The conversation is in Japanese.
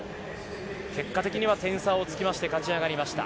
結果的には点差がつきまして勝ち上がりました。